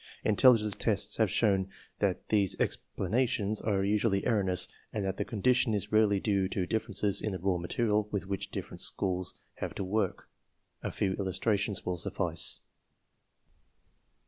jU Intelligence tests have shown that these explanations ,'' are usually erroneous and that the condition is really ! due to differences in the raw material with which dif ferent schools have to work. A few illustrations will suffice.